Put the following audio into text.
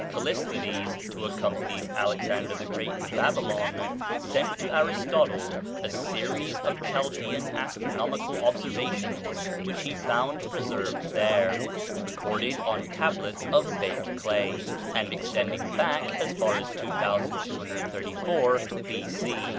Callisthenes, who accompanied Alexander the Great to Babylon, sent to Aristotle a series of Chaldean astronomical observations which he found preserved there, recorded on tablets of baked clay, and extending back as far as 2234 B.C.